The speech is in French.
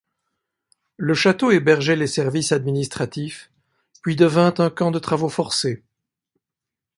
Le château hébergeait les services administratifs, puis devint un camp de travaux forcés.